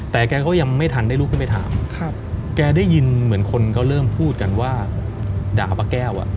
แต่แกก็ยังไม่ทันได้ลุกขึ้นไปถามแกได้ยินเหมือนคนเขาเริ่มพูดกันว่าด่าป้าแก้วอ่ะ